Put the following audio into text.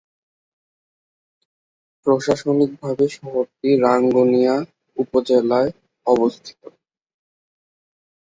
প্রশাসনিকভাবে শহরটি রাঙ্গুনিয়া উপজেলার সদর।